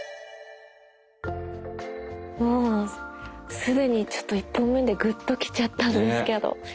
すでにちょっと１本目でグッときちゃったんですけど。